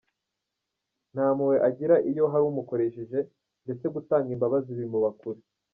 Nta mpuhwe agira iyo hari umukoshereje ndetse gutanga imbabazi bimuba kure.